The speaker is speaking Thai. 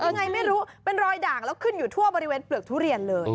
ยังไงไม่รู้เป็นรอยด่างแล้วขึ้นอยู่ทั่วบริเวณเปลือกทุเรียนเลย